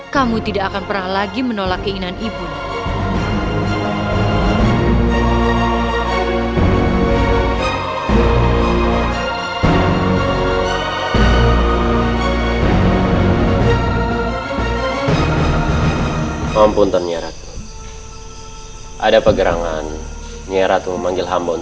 kamu tidak akan pernah lagi menolak keinginan ibu